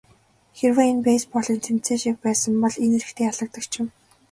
Хэрвээ энэ бейсболын тэмцээн шиг байсан бол энэ эрэгтэй ялагдагч юм.